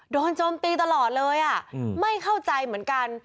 โจมตีตลอดเลยไม่เข้าใจเหมือนกัน